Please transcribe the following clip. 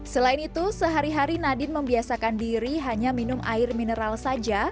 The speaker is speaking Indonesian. selain itu sehari hari nadine membiasakan diri hanya minum air mineral saja